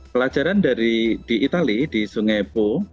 pelajaran dari di itali di sungai po